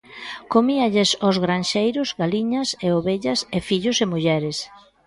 Comíalles ós granxeiros galiñas e ovellas e fillos e mulleres.